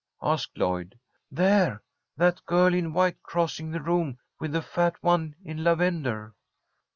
asked Lloyd. "There, that girl in white crossing the room with the fat one in lavender."